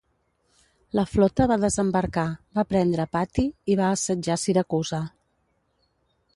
La flota va desembarcar, va prendre Patti i va assetjar Siracusa.